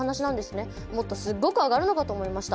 もっとすっごく上がるのかと思いました。